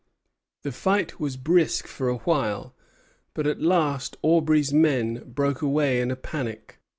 The fight was brisk for a while; but at last Aubry's men broke away in a panic.